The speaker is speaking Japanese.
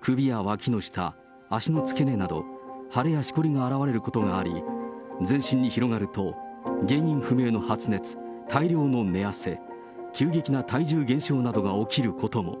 首やわきの下、足の付け根など、腫れやしこりが現れることがあり、全身に広がると、原因不明の発熱、大量の寝汗、急激な体重減少などが起きることも。